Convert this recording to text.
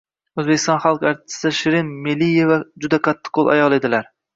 O‘zbekiston xalq artisti Shirin Meliyeva juda qattiqqo‘l ayol edilar.